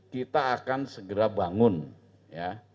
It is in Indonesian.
kita akan segera bangun ya